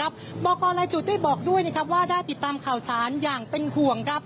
บอกรรายจุดได้บอกด้วยว่าได้ติดตามข่าวสารอย่างเป็นห่วง